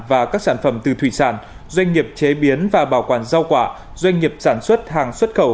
và các sản phẩm từ thủy sản doanh nghiệp chế biến và bảo quản rau quả doanh nghiệp sản xuất hàng xuất khẩu